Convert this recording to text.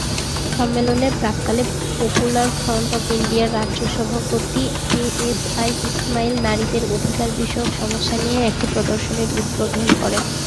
সম্মেলনের প্রাক্কালে, popular front of ইন্ডিয়ার রাজ্য সভাপতি এএসআই ইসমাইল নারীদের অধিকার বিষয়ক সমস্যা নিয়ে একটি প্রদর্শনীর উদ্বোধন করেন।